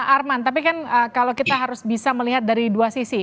arman tapi kan kalau kita harus bisa melihat dari dua sisi